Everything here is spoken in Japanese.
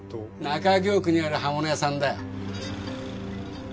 中京区にある刃物屋さんだよ。